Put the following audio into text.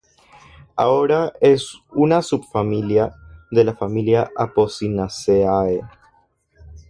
Ahora es una subfamilia de la familia Apocynaceae.